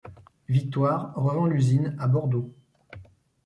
Victoire revend l'usine à Bordeaux.